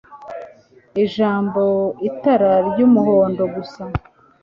ijambo itara ry'umuhondo gusa